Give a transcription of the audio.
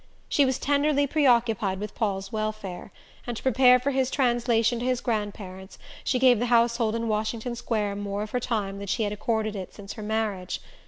She was tenderly preoccupied with Paul's welfare, and, to prepare for his translation to his grandparents' she gave the household in Washington Square more of her time than she had accorded it since her marriage.